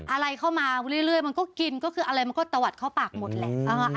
อะไรเข้ามาเรื่อยมันก็กินก็คืออะไรมันก็ตะวัดเข้าปากหมดแหละ